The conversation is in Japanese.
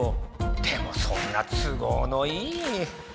でもそんな都合のいい。